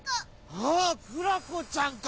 ああクラコちゃんか。